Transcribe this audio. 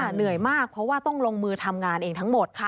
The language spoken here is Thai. เหนื่อยมากเพราะว่าต้องลงมือทำงานเองทั้งหมด